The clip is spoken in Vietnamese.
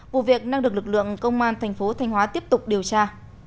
vụ việc đang được lực lượng công an tp thanh hóa tiếp tục điều tra